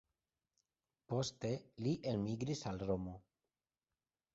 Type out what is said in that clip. Poste li elmigris al Romo.